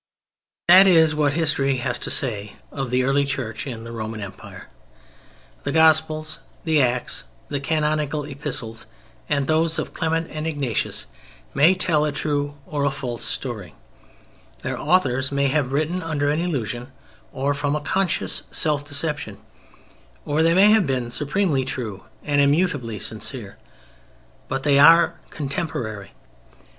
That is what history has to say of the early Church in the Roman Empire. The Gospels, the Acts, the Canonical Epistles and those of Clement and Ignatius may tell a true or a false story; their authors may have written under an illusion or from a conscious self deception; or they may have been supremely true and immutably sincere. _But they are contemporary.